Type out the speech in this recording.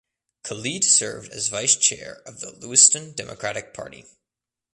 Khalid served as vice chair of the Lewiston Democratic Party.